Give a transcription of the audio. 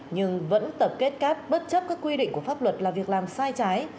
nhưng vẫn tập kết cát bất chấp các quy định của pháp luật là việc làm sai trái